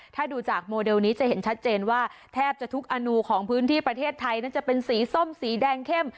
ถ้าดูจากโมเดลนี้จะเห็นชัดเจนว่าแทบจะทุกอนูของพื้นที่ประเทศไทยนั้นจะเป็นสีส้มสีแดงเข้ม